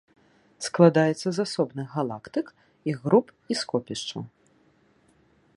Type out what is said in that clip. Складаецца з асобных галактык, іх груп і скопішчаў.